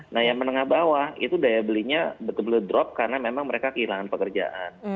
nah yang menengah bawah itu daya belinya betul betul drop karena memang mereka kehilangan pekerjaan